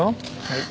はい。